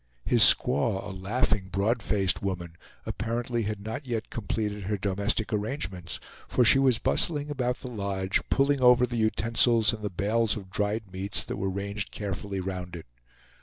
His squaw, a laughing, broad faced woman, apparently had not yet completed her domestic arrangements, for she was bustling about the lodge, pulling over the utensils and the bales of dried meats that were ranged carefully round it.